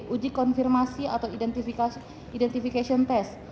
uji konfirmasi atau identification test